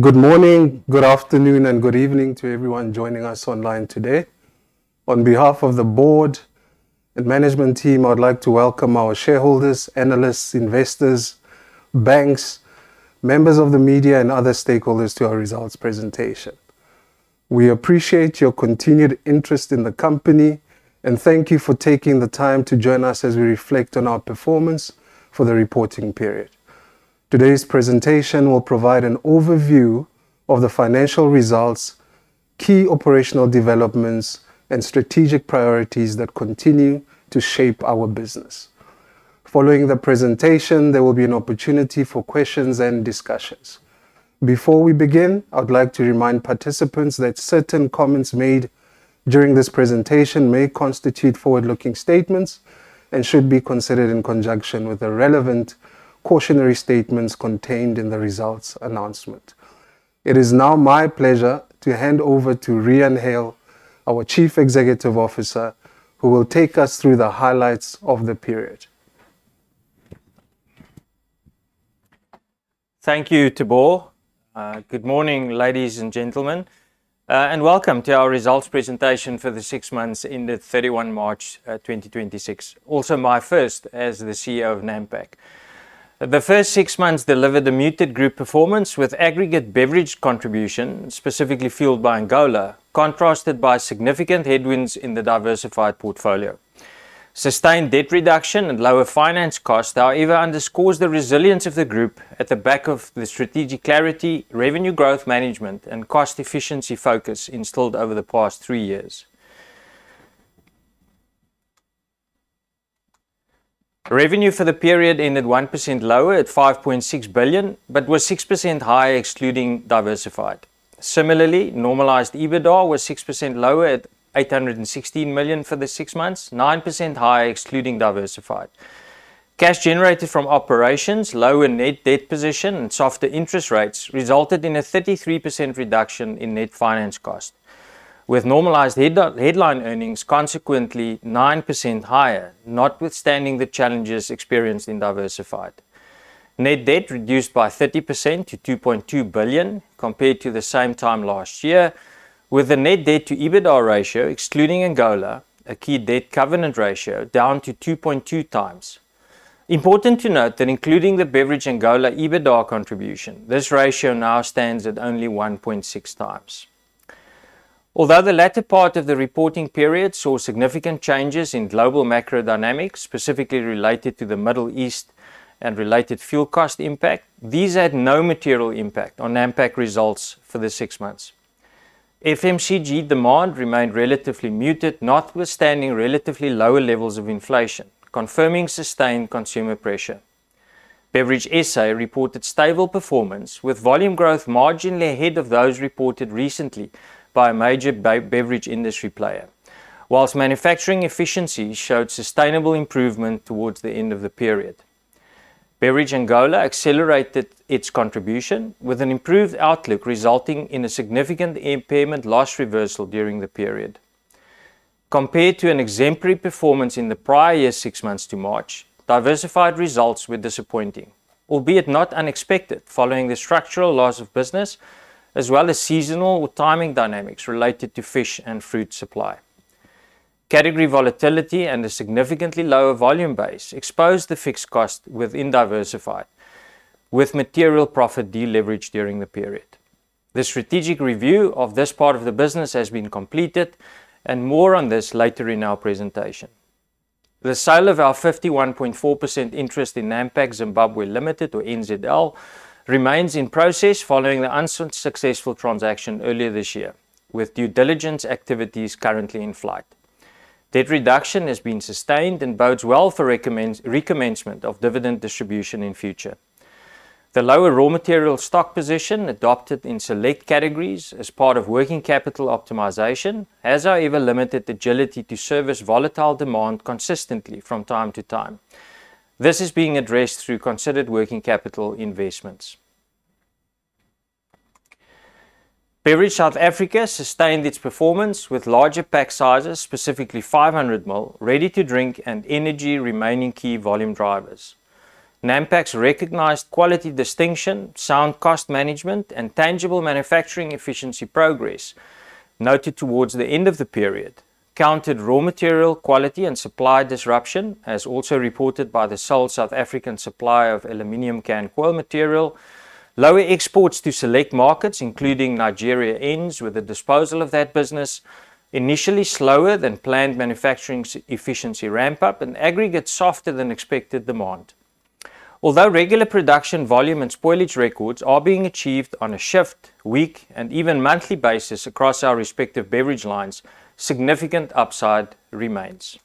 Good morning, good afternoon, and good evening to everyone joining us online today. On behalf of the board and management team, I would like to welcome our shareholders, analysts, investors, banks, members of the media, and other stakeholders to our results presentation. We appreciate your continued interest in the company, and thank you for taking the time to join us as we reflect on our performance for the reporting period. Today's presentation will provide an overview of the financial results, key operational developments, and strategic priorities that continue to shape our business. Following the presentation, there will be an opportunity for questions and discussions. Before we begin, I would like to remind participants that certain comments made during this presentation may constitute forward-looking statements and should be considered in conjunction with the relevant cautionary statements contained in the results announcement. It is now my pleasure to hand over to Riaan Heyl, our Chief Executive Officer, who will take us through the highlights of the period. Thank you, Teboho. Good morning, ladies and gentlemen, and welcome to our results presentation for the six months ended 31 March 2026, also my first as the CEO of Nampak. The first six months delivered a muted group performance with aggregate beverage contribution, specifically fueled by Angola, contrasted by significant headwinds in the diversified portfolio. Sustained debt reduction and lower finance costs, however, underscores the resilience of the group at the back of the strategic clarity, revenue growth management, and cost efficiency focus installed over the past three years. Revenue for the period ended 1% lower at 5.6 billion, but was 6% higher excluding diversified. Similarly, normalized EBITDA was 6% lower at 816 million for the six months, 9% higher excluding diversified. Cash generated from operations, lower net debt position, and softer interest rates resulted in a 33% reduction in net finance cost, with normalized headline earnings consequently 9% higher, notwithstanding the challenges experienced in Diversified. Net debt reduced by 30% to 2.2 billion compared to the same time last year, with the net debt to EBITDA ratio excluding Angola, a key debt covenant ratio, down to 2.2x. Important to note that including the Beverage Angola EBITDA contribution, this ratio now stands at only 1.6x. Although the latter part of the reporting period saw significant changes in global macro dynamics, specifically related to the Middle East and related fuel cost impact, these had no material impact on Nampak results for the six months. FMCG demand remained relatively muted, notwithstanding relatively lower levels of inflation, confirming sustained consumer pressure. Beverage South Africa reported stable performance with volume growth marginally ahead of those reported recently by a major beverage industry player. Whilst manufacturing efficiency showed sustainable improvement towards the end of the period. Beverage Angola accelerated its contribution with an improved outlook resulting in a significant impairment loss reversal during the period. Compared to an exemplary performance in the prior year, six months to March, Diversified results were disappointing, albeit not unexpected following the structural loss of business as well as seasonal or timing dynamics related to fish and fruit supply. Category volatility and a significantly lower volume base exposed the fixed cost within Diversified, with material profit deleveraged during the period. The strategic review of this part of the business has been completed, and more on this later in our presentation. The sale of our 51.4% interest in Nampak Zimbabwe Limited, or NZL, remains in process following the unsuccessful transaction earlier this year, with due diligence activities currently in flight. Debt reduction has been sustained and bodes well for recommencement of dividend distribution in future. The lower raw material stock position adopted in select categories as part of working capital optimization has however limited agility to service volatile demand consistently from time to time. This is being addressed through considered working capital investments. Beverage South Africa sustained its performance with larger pack sizes, specifically 500ml, ready to drink and energy remaining key volume drivers. Nampak's recognized quality distinction, sound cost management, and tangible manufacturing efficiency progress noted towards the end of the period, countered raw material quality and supply disruption as also reported by the sole South African supplier of aluminum can coil material, lower exports to select markets, including Nigeria ends with the disposal of that business, initially slower than planned manufacturing efficiency ramp-up and aggregate softer than expected demand. Although regular production volume and spoilage records are being achieved on a shift, week, and even monthly basis across our respective beverage lines, significant upside remains.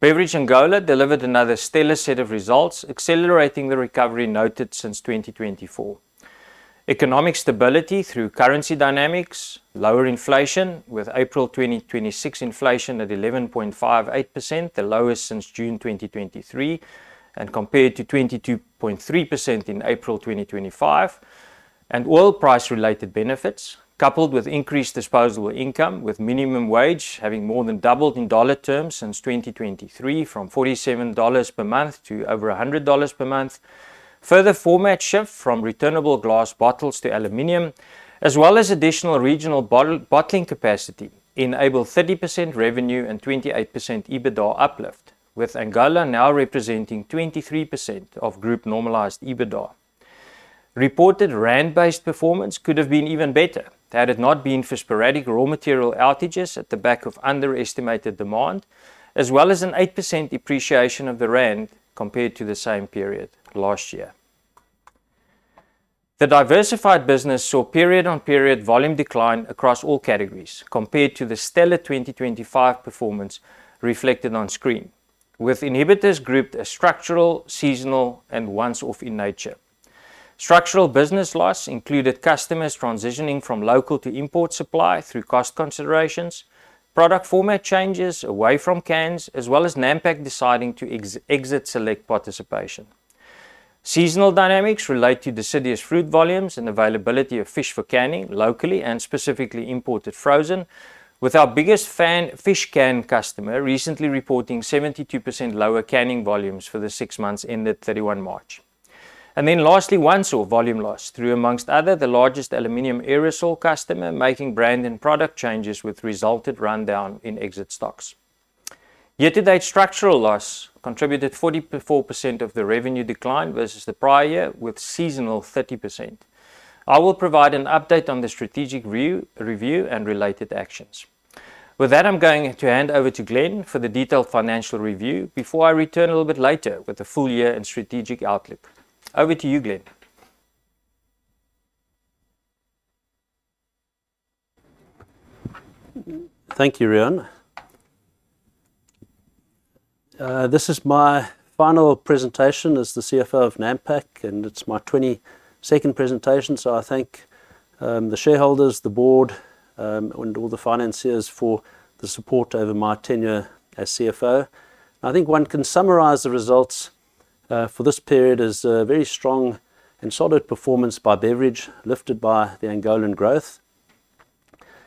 Beverage Angola delivered another stellar set of results, accelerating the recovery noted since 2024. Economic stability through currency dynamics, lower inflation with April 2026 inflation at 11.58%, the lowest since June 2023, and compared to 22.3% in April 2025, and oil price related benefits, coupled with increased disposable income, with minimum wage having more than doubled in dollar terms since 2023 from $47 per month to over $100 per month. Further format shift from returnable glass bottles to aluminum, as well as additional regional bottling capacity enabled 30% revenue and 28% EBITDA uplift, with Angola now representing 23% of group normalized EBITDA. Reported rand-based performance could have been even better had it not been for sporadic raw material outages at the back of underestimated demand, as well as an 8% depreciation of the rand compared to the same period last year. The Diversified business saw period-on-period volume decline across all categories compared to the stellar 2025 performance reflected on screen. With inhibitors grouped as structural, seasonal, and once-off in nature. Structural business loss included customers transitioning from local to import supply through cost considerations, product format changes away from cans, as well as Nampak deciding to exit select participation. Seasonal dynamics relate to deciduous fruit volumes and availability of fish for canning locally and specifically imported frozen. With our biggest fish can customer recently reporting 72% lower canning volumes for the six months ended 31 March. Then lastly, once-off volume loss through amongst others, the largest aluminum aerosol customer, making brand and product changes which resulted rundown in exit stocks. Year-to-date structural loss contributed 44% of the revenue decline versus the prior year with seasonal 30%. I will provide an update on the strategic review and related actions. With that, I'm going to hand over to Glenn for the detailed financial review before I return a little bit later with the full year and strategic outlook. Over to you, Glenn. Thank you, Riaan. This is my final presentation as the CFO of Nampak, and it's my 22nd presentation. I thank the shareholders, the Board, and all the financiers for the support over my tenure as CFO. I think one can summarize the results for this period as a very strong and solid performance by Beverage, lifted by the Angolan growth,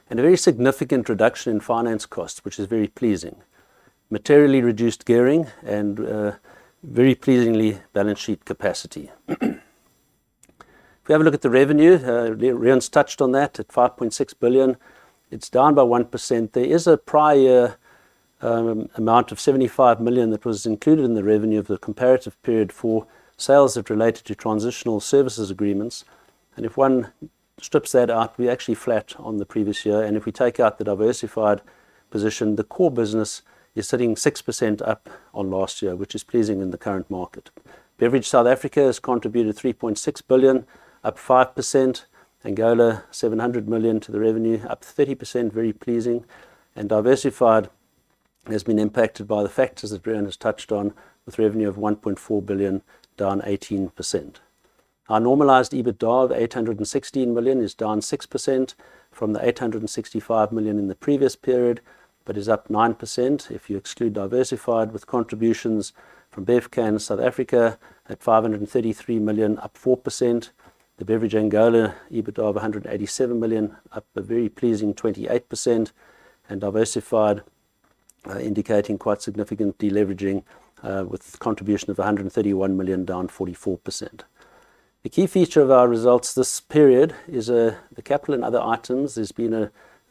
and a very significant reduction in finance cost, which is very pleasing, materially reduced gearing and very pleasing balance sheet capacity. If we have a look at the revenue, Riaan's touched on that at 5.6 billion, it's down by 1%. There is a prior year amount of 75 million that was included in the revenue of the comparative period for sales that related to transitional services agreements. If one strips that out, we're actually flat on the previous year. If we take out the Diversified position, the core business is sitting 6% up on last year, which is pleasing in the current market. Beverage South Africa has contributed 3.6 billion, up 5%, Angola 700 million to the revenue, up 30%, very pleasing, and diversified has been impacted by the factors that Riaan has touched on with revenue of 1.4 billion down 18%. Our normalized EBITDA of 816 million is down 6% from the 865 million in the previous period, but is up 9% if you exclude diversified with contributions from Bevcan South Africa at 533 million up 4%, the Beverage Angola EBITDA of 187 million up a very pleasing 28%, and diversified, indicating quite significant deleveraging, with contribution of 131 million down 44%. The key feature of our results this period is the capital and other items. There's been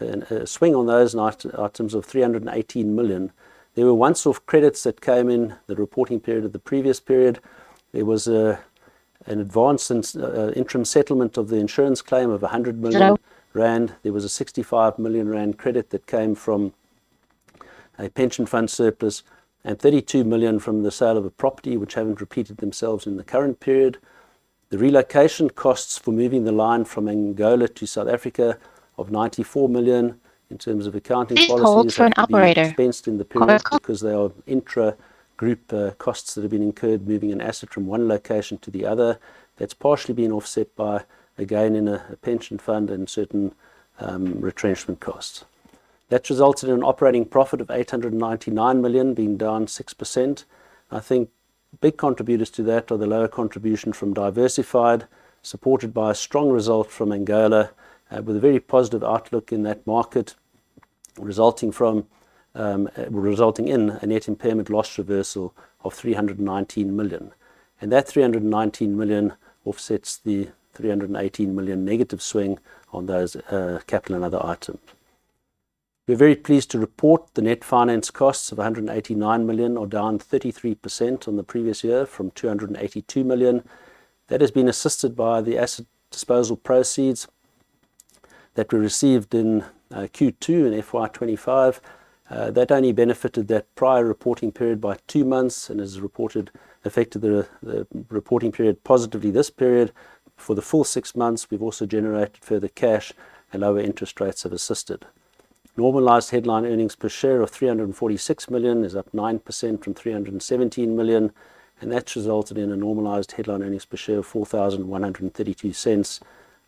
a swing on those items of 318 million. There were once-off credits that came in the reporting period of the previous period. There was an advance interim settlement of the insurance claim of 100 million rand. There was a 65 million rand credit that came from a pension fund surplus and 32 million from the sale of a property which have not repeated themselves in the current period. The relocation costs for moving the line from Angola to South Africa of 94 million in terms of accounting policies have to be expensed in the period because they are intra-group costs that have been incurred moving an asset from one location to the other. That's partially been offset by a gain in a pension fund and certain retrenchment costs. That's resulted in an operating profit of 899 million being down 6%. I think big contributors to that are the lower contribution from Diversified, supported by a strong result from Angola, with a very positive outlook in that market, resulting in a net impairment loss reversal of 319 million. That 319 million offsets the 318 million negative swing on those capital and other items. We're very pleased to report the net finance costs of 189 million or down 33% on the previous year from 282 million. That has been assisted by the asset disposal proceeds that we received in Q2 in FY 2025. That only benefited that prior reporting period by two months and as reported affected the reporting period positively this period. For the full six months, we've also generated further cash and lower interest rates have assisted. Normalized headline earnings per share of 346 million is up 9% from 317 million. That's resulted in a normalized headline earnings per share of 41.32,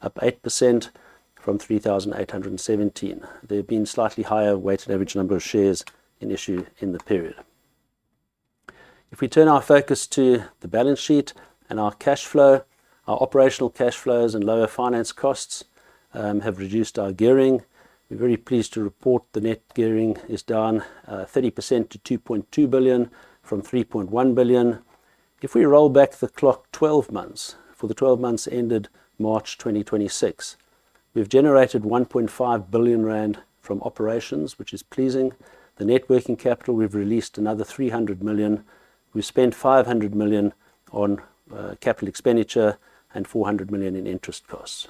up 8% from 38.17. There have been slightly higher weighted average number of shares in issue in the period. If we turn our focus to the balance sheet and our cash flow, our operational cash flows and lower finance costs have reduced our gearing. We're very pleased to report the net gearing is down 30% to 2.2 billion from 3.1 billion. If we roll back the clock 12 months, for the 12 months ended March 2026, we've generated 1.5 billion rand from operations, which is pleasing. The net working capital, we've released another 300 million. We spent 500 million on capital expenditure and 400 million in interest costs.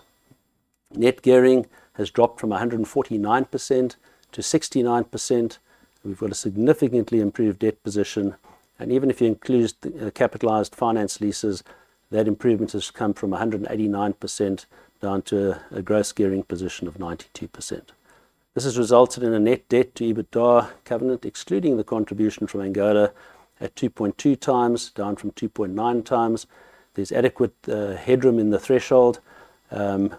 Net gearing has dropped from 149% to 69%. We've got a significantly improved debt position, and even if you include the capitalized finance leases, that improvement has come from 189% down to a gross gearing position of 92%. This has resulted in a net debt to EBITDA covenant excluding the contribution from Angola at 2.2x, down from 2.9x. There's adequate headroom in the threshold.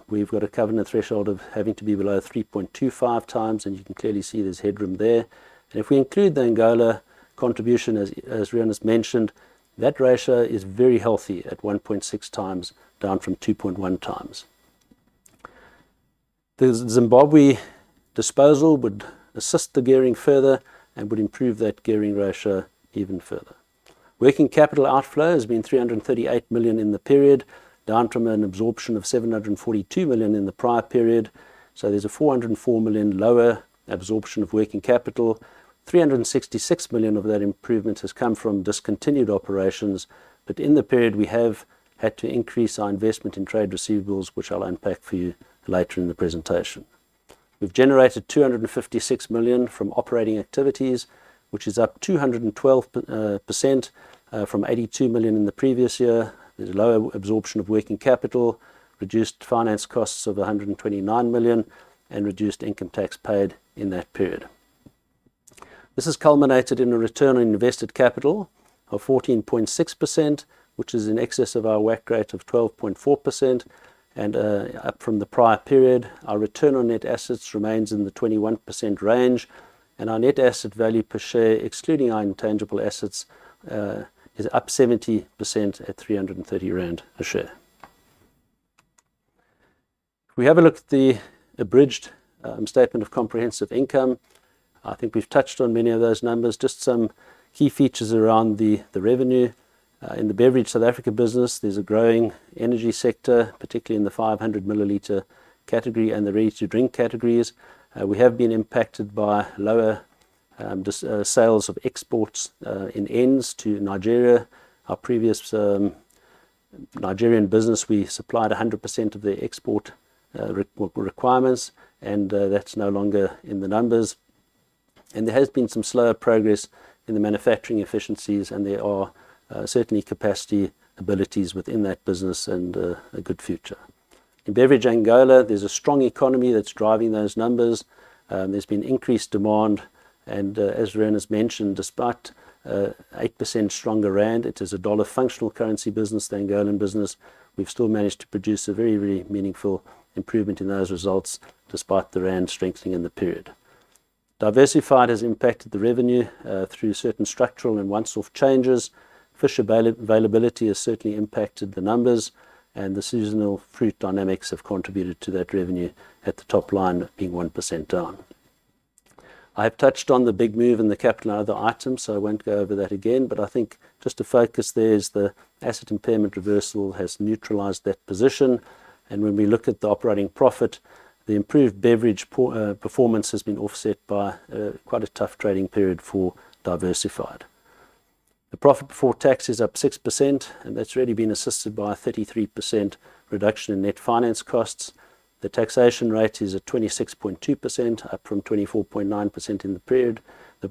We've got a covenant threshold of having to be below 3.25x, and you can clearly see there's headroom there. If we include the Angola contribution, as Riaan has mentioned, that ratio is very healthy at 1.6x, down from 2.1x. The Zimbabwe disposal would assist the gearing further and would improve that gearing ratio even further. Working capital outflow has been 338 million in the period, down from an absorption of 742 million in the prior period. There's a 404 million lower absorption of working capital. 366 million of that improvement has come from discontinued operations. In the period, we have had to increase our investment in trade receivables, which I'll unpack for you later in the presentation. We've generated 256 million from operating activities, which is up 212% from 82 million in the previous year. There's lower absorption of working capital, reduced finance costs of 129 million, and reduced income tax paid in that period. This has culminated in a return on invested capital of 14.6%, which is in excess of our WACC rate of 12.4% and up from the prior period. Our return on net assets remains in the 21% range, and our net asset value per share, excluding our intangible assets, is up 70% at 330 rand a share. If we have a look at the abridged statement of comprehensive income, I think we've touched on many of those numbers. Just some key features around the revenue. In the Beverage South Africa business, there's a growing energy sector, particularly in the 500ml category and the ready-to-drink categories. We have been impacted by lower sales of exports in ends to Nigeria. Our previous Nigerian business, we supplied 100% of their export requirements, and that's no longer in the numbers. There has been some slower progress in the manufacturing efficiencies, and there are certainly capacity abilities within that business and a good future. In Beverage Angola, there's a strong economy that's driving those numbers. There's been increased demand, and as Riaan has mentioned, despite 8% stronger rand, it is a dollar functional currency business, the Angolan business. We've still managed to produce a very meaningful improvement in those results despite the rand strengthening in the period. Diversified has impacted the revenue through certain structural and once-off changes. Fish availability has certainly impacted the numbers, the seasonal fruit dynamics have contributed to that revenue at the top line being 1% down. I've touched on the big move in the capital and other items, so I won't go over that again, but I think just to focus there is the asset impairment reversal has neutralized that position. When we look at the operating profit, the improved beverage performance has been offset by quite a tough trading period for Diversified. The profit before tax is up 6%, that's really been assisted by a 33% reduction in net finance costs. The taxation rate is at 26.2%, up from 24.9% in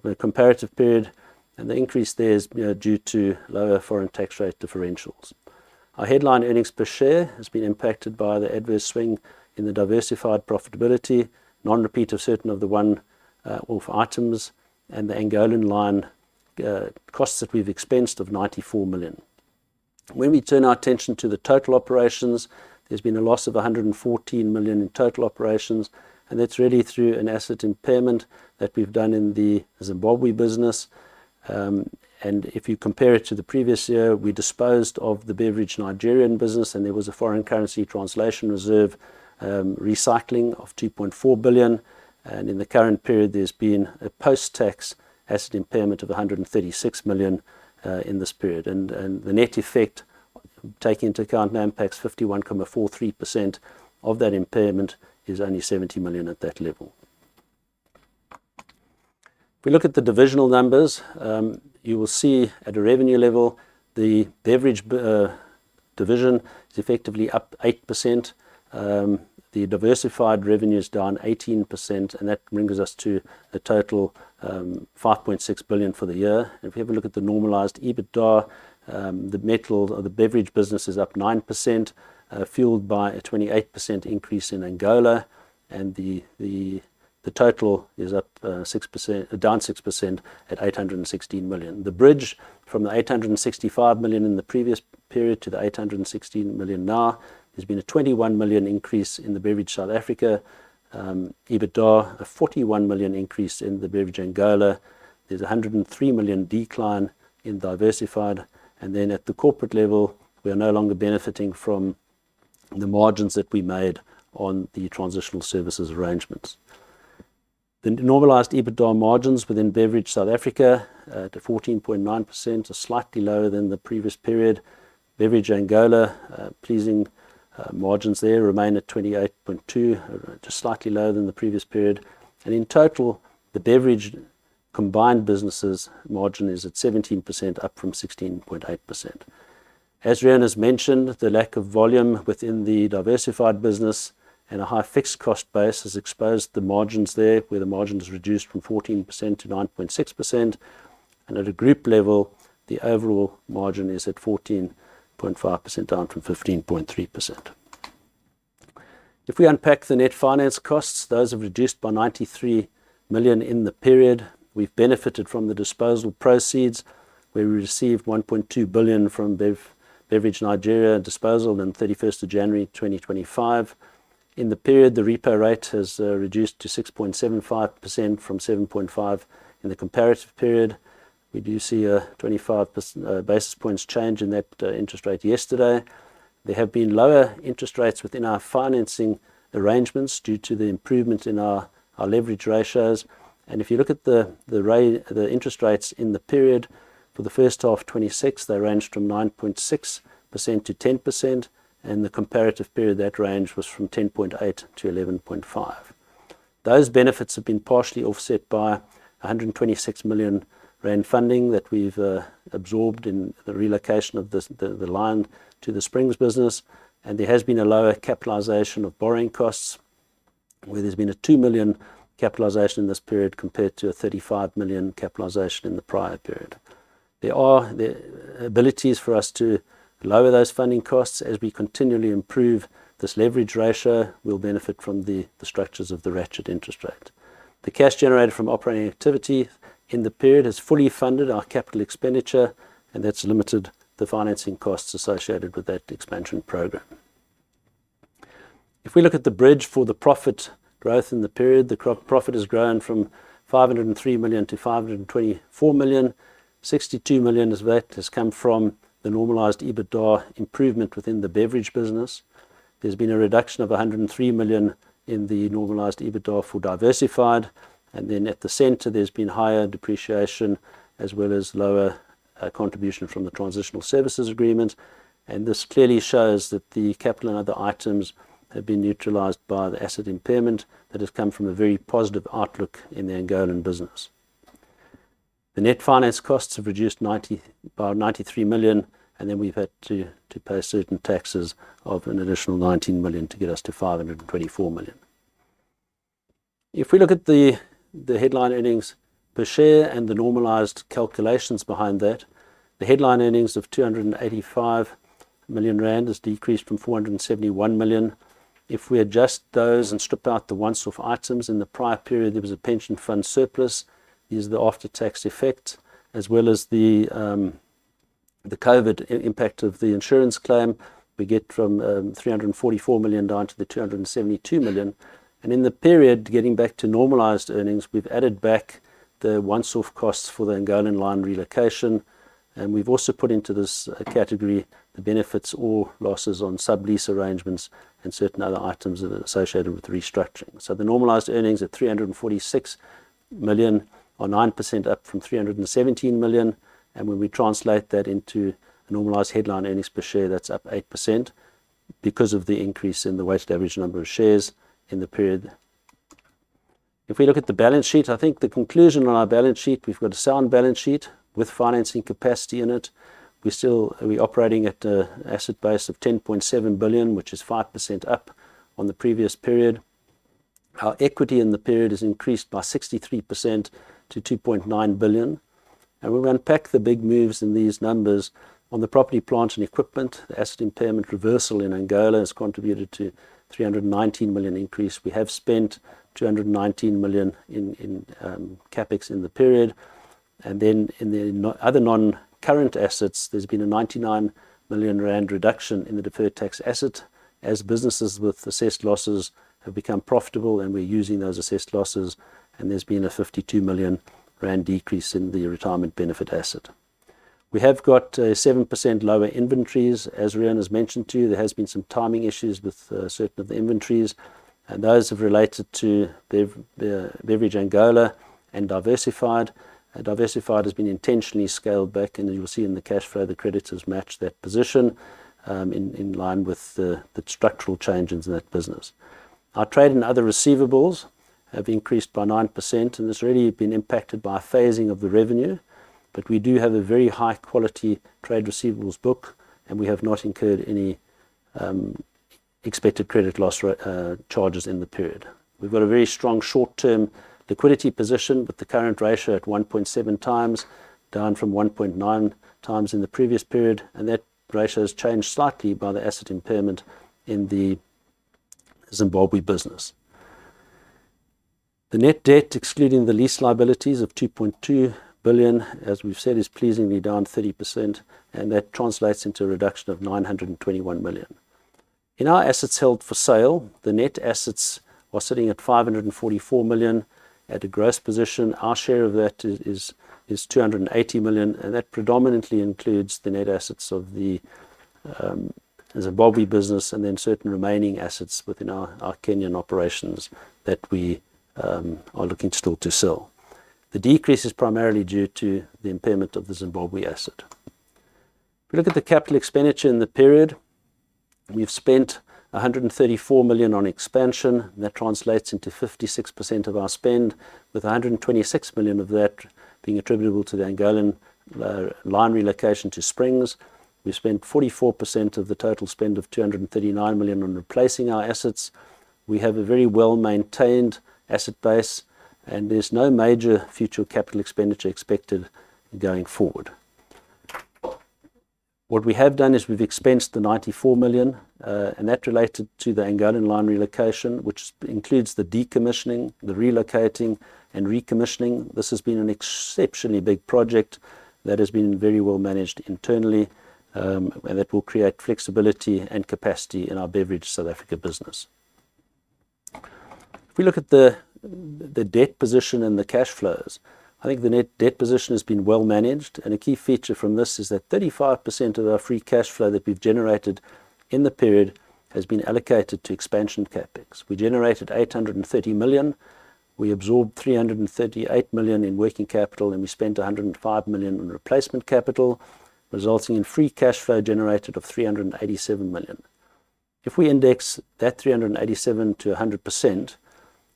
the comparative period, the increase there is due to lower foreign tax rate differentials. Our headline earnings per share has been impacted by the adverse swing in the Diversified profitability, non-repeat of certain of the one-off items, and the Angolan line costs that we've expensed of 94 million. When we turn our attention to the total operations, there's been a loss of 114 million in total operations, that's really through an asset impairment that we've done in the Zimbabwe business. If you compare it to the previous year, we disposed of the Bevcan Nigeria business, there was a foreign currency translation reserve recycling of 2.4 billion. In the current period, there's been a post-tax asset impairment of 136 million in this period. The net effect, taking into account Nampak's 51.43% of that impairment, is only 70 million at that level. If we look at the divisional numbers, you will see at a revenue level, the Beverage division is effectively up 8%. The Diversified revenue is down 18%, that brings us to a total 5.6 billion for the year. If you have a look at the normalized EBITDA, the metal or the beverage business is up 9%, fueled by a 28% increase in Angola, the total is down 6% at 816 million. The bridge from the 865 million in the previous period to the 816 million now, there has been a 21 million increase in the Beverage South Africa EBITDA, a 41 million increase in the Beverage Angola. There is 103 million decline in Diversified. At the corporate level, we are no longer benefiting from the margins that we made on the transitional services agreements. The normalized EBITDA margins within Beverage South Africa at 14.9% are slightly lower than the previous period. Beverage Angola, pleasing margins there remain at 28.2%, just slightly lower than the previous period. In total, the Beverage combined businesses margin is at 17%, up from 16.8%. As Riaan has mentioned, the lack of volume within the Diversified business and a high fixed cost base has exposed the margins there, where the margin is reduced from 14% to 9.6%. At a group level, the overall margin is at 14.5%, down from 15.3%. If we unpack the net finance costs, those have reduced by 93 million in the period. We've benefited from the disposal proceeds, where we received 1.2 billion from Beverage Nigeria disposal on 31st of January 2025. In the period, the repo rate has reduced to 6.75% from 7.5% in the comparative period. We do see a 25 basis points change in that interest rate yesterday. There have been lower interest rates within our financing arrangements due to the improvement in our leverage ratios. If you look at the interest rates in the period for the first half 2026, they ranged from 9.6%-10%, the comparative period that range was from 10.8%-11.5%. Those benefits have been partially offset by 126 million rand funding that we've absorbed in the relocation of the line to the Springs business, there has been a lower capitalization of borrowing costs, where there's been a 2 million capitalization in this period compared to a 35 million capitalization in the prior period. There are abilities for us to lower those funding costs. As we continually improve this leverage ratio, we'll benefit from the structures of the ratchet interest rate. The cash generated from operating activity in the period has fully funded our capital expenditure, that's limited the financing costs associated with that expansion program. If we look at the bridge for the profit growth in the period, the profit has grown from 503 million-524 million. 62 million of that has come from the normalized EBITDA improvement within the Beverage business. There's been a reduction of 103 million in the normalized EBITDA for Diversified. Then at the center, there's been higher depreciation as well as lower contribution from the Transitional Services Agreement. This clearly shows that the capital and other items have been neutralized by the asset impairment that has come from a very positive outlook in the Angolan business. The net finance costs have reduced by 93 million, and then we've had to pay certain taxes of an additional 19 million to get us to 524 million. If we look at the headline earnings per share and the normalized calculations behind that, the headline earnings of 285 million rand has decreased from 471 million. If we adjust those and strip out the once-off items in the prior period, there was a pension fund surplus, is the after-tax effect, as well as the COVID impact of the insurance claim. We get from 344 million down to the 272 million. In the period, getting back to normalized earnings, we've added back the once-off costs for the Angolan line relocation. We've also put into this category the benefits or losses on sublease arrangements and certain other items that are associated with restructuring. The normalized earnings at 346 million are 9% up from 317 million. When we translate that into normalized headline earnings per share, that's up 8% because of the increase in the weighted average number of shares in the period. If we look at the balance sheet, I think the conclusion on our balance sheet, we've got a sound balance sheet with financing capacity in it. We operating at an asset base of 10.7 billion, which is 5% up on the previous period. Our equity in the period has increased by 63% to 2.9 billion. We're going to unpack the big moves in these numbers on the property, plant, and equipment. The asset impairment reversal in Angola has contributed to 319 million increase. We have spent 219 million in CapEx in the period. In the other non-current assets, there's been a 99 million rand reduction in the deferred tax asset as businesses with assessed losses have become profitable, and we're using those assessed losses, and there's been a 52 million rand decrease in the retirement benefit asset. We have got 7% lower inventories. As Riaan has mentioned to you, there has been some timing issues with certain of the inventories, and those have related to the Beverage Angola and Diversified. Diversified has been intentionally scaled back, and you will see in the cash flow, the creditors match that position in line with the structural changes in that business. Our trade and other receivables have increased by 9%, and it's really been impacted by phasing of the revenue. We do have a very high quality trade receivables book, and we have not incurred any expected credit loss charges in the period. We've got a very strong short-term liquidity position with the current ratio at 1.7x, down from 1.9x in the previous period and that ratio has changed slightly by the asset impairment in the Zimbabwe business. The net debt, excluding the lease liabilities of 2.2 billion, as we've said, is pleasingly down 30%, and that translates into a reduction of 921 million. In our assets held for sale, the net assets are sitting at 544 million at a gross position. Our share of that is 280 million, and that predominantly includes the net assets of the Zimbabwe business and then certain remaining assets within our Kenyan operations that we are looking still to sell. The decrease is primarily due to the impairment of the Zimbabwe asset. If you look at the Capital Expenditure in the period, we've spent 134 million on expansion. That translates into 56% of our spend, with 126 million of that being attributable to the Angolan line relocation to Springs. We spent 44% of the total spend of 239 million on replacing our assets. We have a very well-maintained asset base, and there's no major future capital expenditure expected going forward. What we have done is we've expensed the 94 million, and that related to the Angolan line relocation, which includes the decommissioning, the relocating, and recommissioning. This has been an exceptionally big project that has been very well managed internally, and that will create flexibility and capacity in our Beverage South Africa business. If we look at the debt position and the cash flows, I think the net debt position has been well managed. A key feature from this is that 35% of our free cash flow that we've generated in the period has been allocated to expansion CapEx. We generated 830 million, we absorbed 338 million in working capital, and we spent 105 million on replacement capital, resulting in free cash flow generated of 387 million. If we index that 387 million to 100%,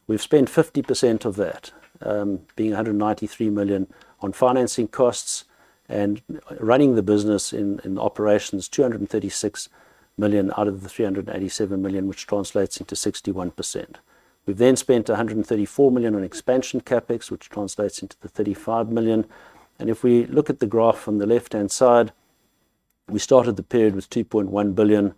we've spent 50% of that, being 193 million on financing costs and running the business in the operations, 236 million out of the 387 million, which translates into 61%. We've spent 134 million on expansion CapEx, which translates into the 35 million. If we look at the graph on the left-hand side, we started the period with 2.1 billion.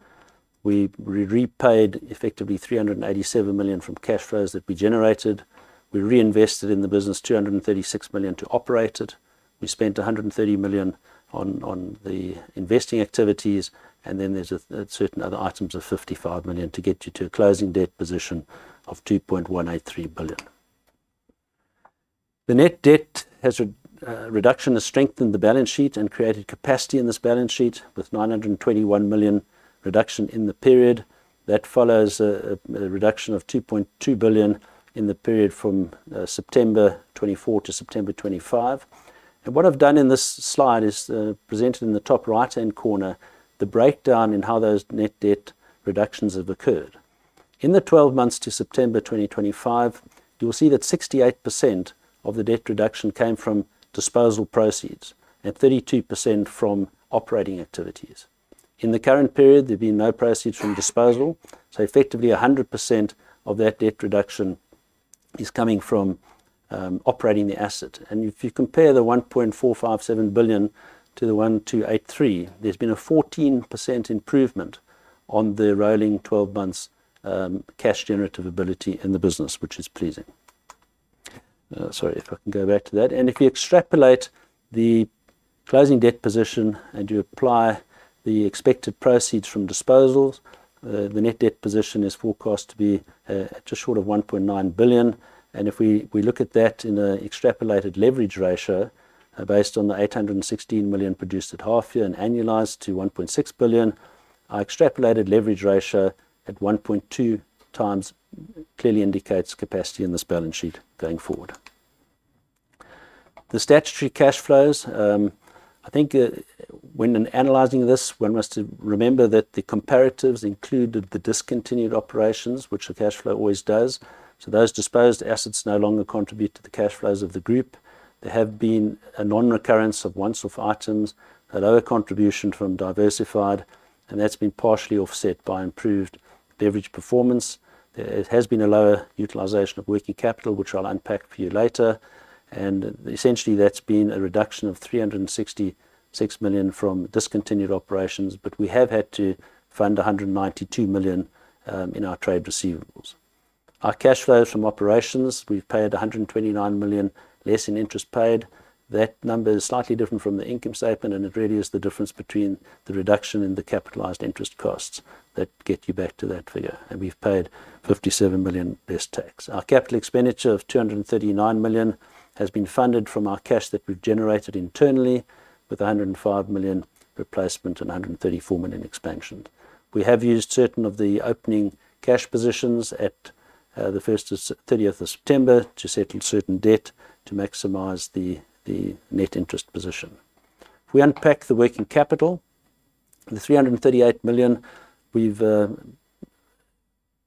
We repaid effectively 387 million from cash flows that we generated. We reinvested in the business 236 million to operate it. We spent 130 million on the investing activities, and then there's certain other items of 55 million to get you to a closing debt position of 2.183 billion. The net debt has a reduction of strength in the balance sheet and created capacity in this balance sheet with 921 million reduction in the period. That follows a reduction of 2.2 billion in the period from September 2024 to September 2025. What I've done in this slide is presented in the top right-hand corner, the breakdown in how those net debt reductions have occurred. In the 12 months to September 2025, you'll see that 68% of the debt reduction came from disposal proceeds and 32% from operating activities. In the current period, there've been no proceeds from disposal, so effectively 100% of that debt reduction is coming from operating the asset. If you compare the 1.457 billion to the 1.283, there's been a 14% improvement on the rolling 12 months cash generative ability in the business, which is pleasing. Sorry, if I can go back to that. If you extrapolate the closing debt position and you apply the expected proceeds from disposals, the net debt position is forecast to be just short of 1.9 billion. If we look at that in an extrapolated leverage ratio, based on the 816 million produced at half year and annualized to 1.6 billion, our extrapolated leverage ratio at 1.2x clearly indicates capacity in this balance sheet going forward. The statutory cash flows, I think when analyzing this, one must remember that the comparatives included the discontinued operations, which the cash flow always does. Those disposed assets no longer contribute to the cash flows of the group. There have been a non-recurrence of once-off items, a lower contribution from Diversified, that's been partially offset by improved Beverage performance. There has been a lower utilization of working capital, which I'll unpack for you later. Essentially that's been a reduction of 366 million from discontinued operations. We have had to fund 192 million in our trade receivables. Our cash flows from operations, we've paid 129 million less in interest paid. That number is slightly different from the income statement, it really is the difference between the reduction in the capitalized interest costs that get you back to that figure. We've paid 57 million less tax. Our capital expenditure of 239 million has been funded from our cash that we've generated internally, with 105 million replacement and 134 million expansion. We have used certain of the opening cash positions at the 30th of September to settle certain debt to maximize the net interest position. If we unpack the working capital, the 338 million we've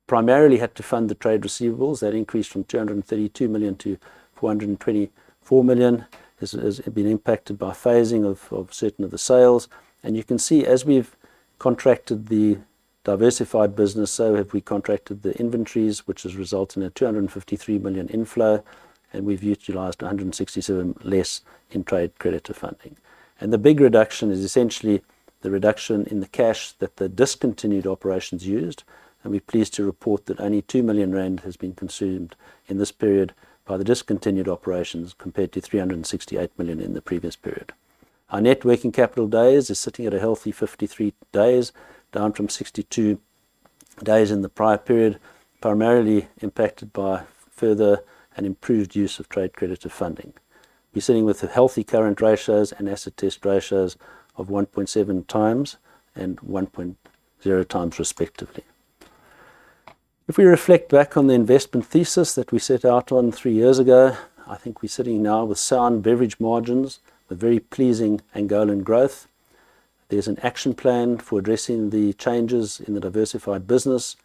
primarily had to fund the trade receivables. That increased from 232 million-424 million, has been impacted by phasing of certain of the sales. You can see as we've contracted the Diversified business, so have we contracted the inventories, which has resulted in a 253 million inflow, and we've utilized 167 less in trade creditor funding. The big reduction is essentially the reduction in the cash that the discontinued operations used, and we're pleased to report that only 2 million rand has been consumed in this period by the discontinued operations compared to 368 million in the previous period. Our net working capital days is sitting at a healthy 53 days, down from 62 days in the prior period, primarily impacted by further and improved use of trade credit to funding. We're sitting with healthy current ratios and acid-test ratios of 1.7x and 1.0x respectively. If we reflect back on the investment thesis that we set out on three years ago, I think we're sitting now with sound beverage margins with very pleasing Angolan growth. There's an action plan for addressing the changes in the Diversified business.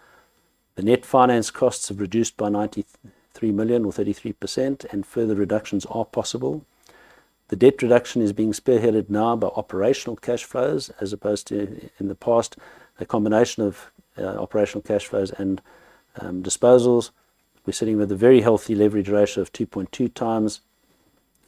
The net finance costs have reduced by 93 million or 33%, further reductions are possible. The debt reduction is being spearheaded now by operational cash flows as opposed to in the past, a combination of operational cash flows and disposals. We're sitting with a very healthy leverage ratio of 2.2x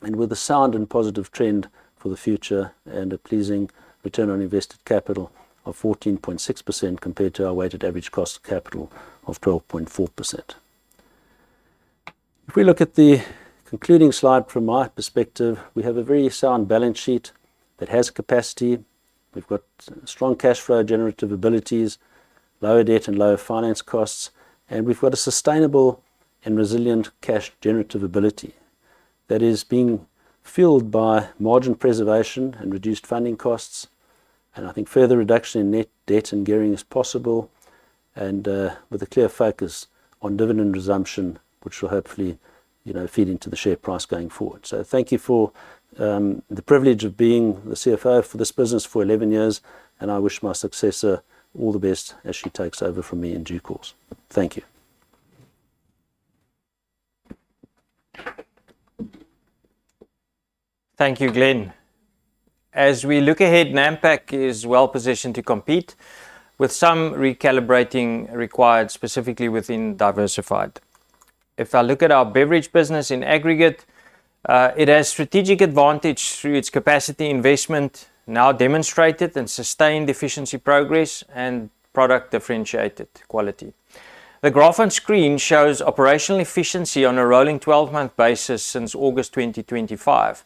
and with a sound and positive trend for the future and a pleasing return on invested capital of 14.6% compared to our weighted average cost of capital of 12.4%. If we look at the concluding slide from my perspective, we have a very sound balance sheet that has capacity. We've got strong cash flow generative abilities, lower debt and lower finance costs, and we've got a sustainable and resilient cash generative ability that is being fueled by margin preservation and reduced funding costs. I think further reduction in net debt and gearing is possible and with a clear focus on dividend resumption, which will hopefully feed into the share price going forward. Thank you for the privilege of being the CFO for this business for 11 years, and I wish my successor all the best as she takes over from me in due course. Thank you. Thank you, Glenn. We look ahead, Nampak is well-positioned to compete with some recalibrating required specifically within Diversified. I look at our Beverage business in aggregate, it has strategic advantage through its capacity investment now demonstrated and sustained efficiency progress and product differentiated quality. The graph on screen shows operational efficiency on a rolling 12-month basis since August 2025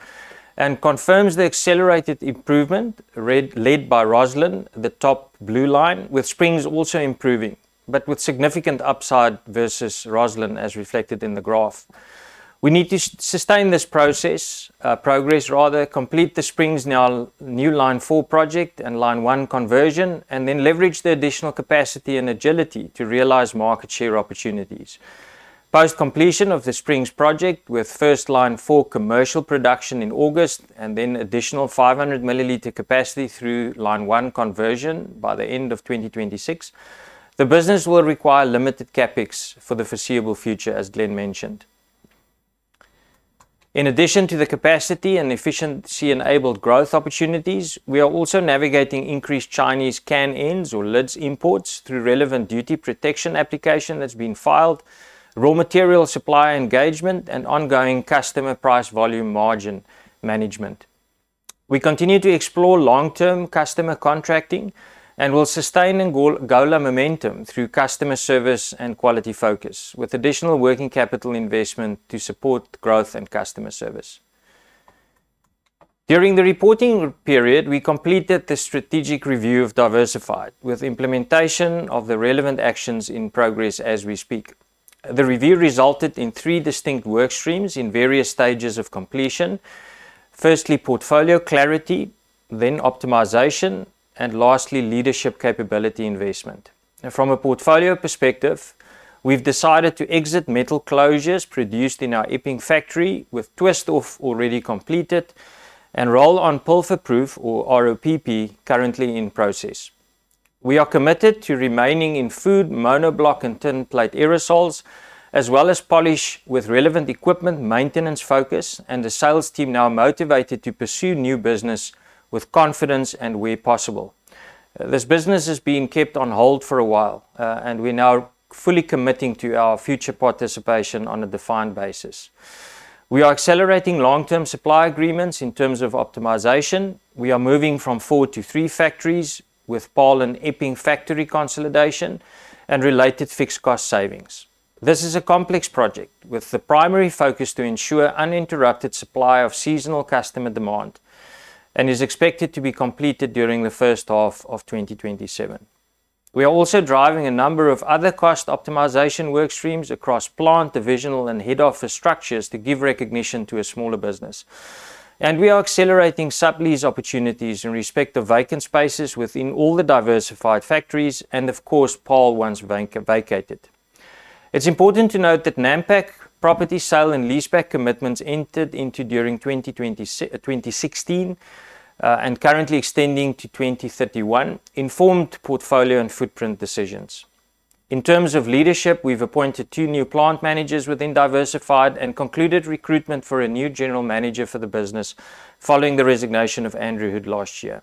and confirms the accelerated improvement led by Rosslyn, the top blue line, with Springs also improving, but with significant upside versus Rosslyn as reflected in the graph. We need to sustain this progress, complete the Springs new Line 4 project and Line 1 conversion, and then leverage the additional capacity and agility to realize market share opportunities. Post completion of the Springs project with first Line 4 commercial production in August and then additional 500ml capacity through line one conversion by the end of 2026, the business will require limited CapEx for the foreseeable future, as Glenn mentioned. In addition to the capacity and efficiency enabled growth opportunities, we are also navigating increased Chinese can ends or lids imports through relevant duty protection application that has been filed, raw material supply engagement, and ongoing customer price volume margin management. We continue to explore long-term customer contracting and will sustain Angola momentum through customer service and quality focus, with additional working capital investment to support growth and customer service. During the reporting period, we completed the strategic review of Diversified with implementation of the relevant actions in progress as we speak. The review resulted in three distinct work streams in various stages of completion. Firstly, portfolio clarity, then optimization, and lastly, leadership capability investment. From a portfolio perspective, we've decided to exit metal closures produced in our Epping factory with twist-off already completed and Roll-on Pilfer-Proof or ROPP currently in process. We are committed to remaining in food monobloc and tinplate aerosols, as well as polish with relevant equipment maintenance focus and the sales team now motivated to pursue new business with confidence and where possible. This business is being kept on hold for a while, and we're now fully committing to our future participation on a defined basis. We are accelerating long-term supply agreements in terms of optimization. We are moving from four to three factories with Paarl and Epping factory consolidation and related fixed cost savings. This is a complex project with the primary focus to ensure uninterrupted supply of seasonal customer demand and is expected to be completed during the first half of 2027. We are also driving a number of other cost optimization work streams across plant, divisional, and head office structures to give recognition to a smaller business. We are accelerating sublease opportunities in respect of vacant spaces within all the Diversified factories and of course, Paarl once vacated. It's important to note that Nampak property sale and leaseback commitments entered into during 2016, and currently extending to 2031, informed portfolio and footprint decisions. In terms of leadership, we've appointed two new plant managers within Diversified and concluded recruitment for a new general manager for the business following the resignation of Andrew Hood last year.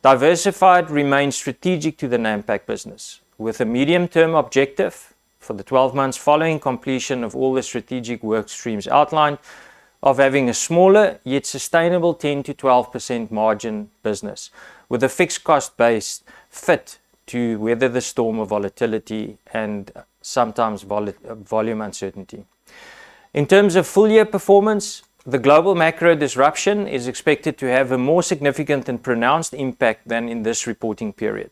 Diversified remains strategic to the Nampak business with a medium-term objective for the 12 months following completion of all the strategic work streams outlined of having a smaller yet sustainable 10%-12% margin business with a fixed cost base fit to weather the storm of volatility and sometimes volume uncertainty. In terms of full year performance, the global macro disruption is expected to have a more significant and pronounced impact than in this reporting period.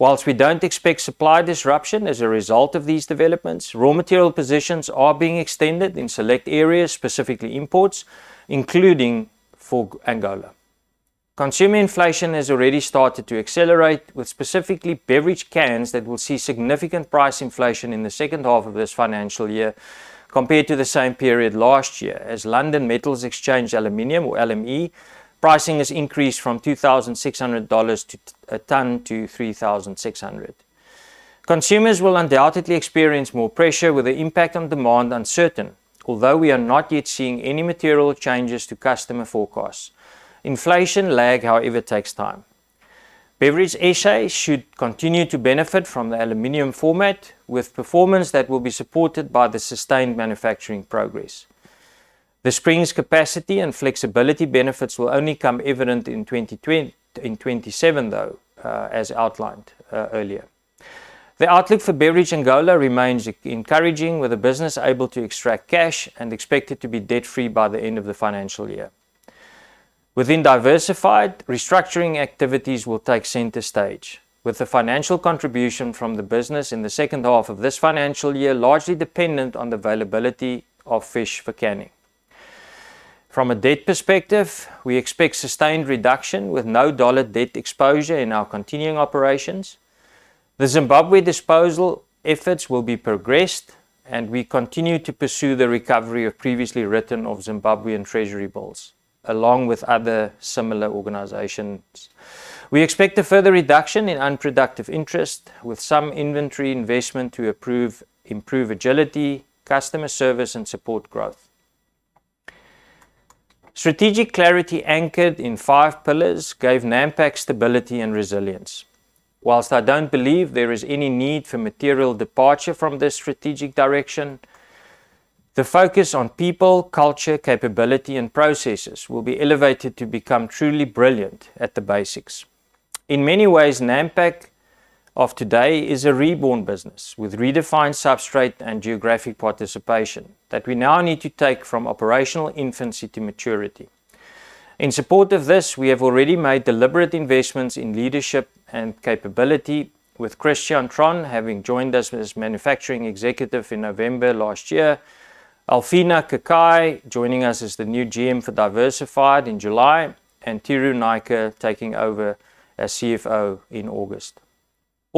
Whilst we don't expect supply disruption as a result of these developments, raw material positions are being extended in select areas, specifically imports, including for Angola. Consumer inflation has already started to accelerate with specifically Beverage Cans that will see significant price inflation in the second half of this financial year compared to the same period last year, as London Metal Exchange aluminum, or LME, pricing has increased from $2,600 a ton to $3,600. Consumers will undoubtedly experience more pressure with the impact on demand uncertain, although we are not yet seeing any material changes to customer forecasts. Inflation lag, however, takes time. Beverage South Africa should continue to benefit from the aluminum format with performance that will be supported by the sustained manufacturing progress. The Springs capacity and flexibility benefits will only come evident in 2027, though, as outlined earlier. The outlook for Beverage Angola remains encouraging, with the business able to extract cash and expected to be debt-free by the end of the financial year. Within Diversified, restructuring activities will take center stage, with the financial contribution from the business in the second half of this financial year largely dependent on the availability of fish for canning. From a debt perspective, we expect sustained reduction with no dollar debt exposure in our continuing operations. The Zimbabwe disposal efforts will be progressed, and we continue to pursue the recovery of previously written off Zimbabwean Treasury bills, along with other similar organizations. We expect a further reduction in unproductive interest with some inventory investment to improve agility, customer service, and support growth. Strategic clarity anchored in five pillars gave Nampak stability and resilience. Whilst I don't believe there is any need for material departure from this strategic direction, the focus on people, culture, capability and processes will be elevated to become truly brilliant at the basics. In many ways, Nampak of today is a reborn business with redefined substrate and geographic participation that we now need to take from operational infancy to maturity. In support of this, we have already made deliberate investments in leadership and capability with Christian Tron having joined us as Manufacturing Executive in November last year, Alfina Kakai joining us as the new GM for Diversified in July, and Thiru Naicker taking over as CFO in August.